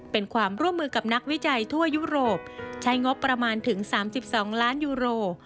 เป็นความร่วมมือกับนักวิจัยทั่วยุโรปใช้งบประมาณถึง๓๒ล้านยูโร